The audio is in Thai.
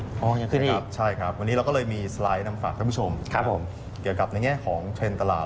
ยังขึ้นอีกใช่ครับวันนี้เราก็เลยมีสไลด์นำฝากท่านผู้ชมครับผมเกี่ยวกับในแง่ของเทรนด์ตลาด